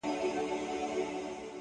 دا ډېوه به ووژنې!! ماته چي وهې سترگي!!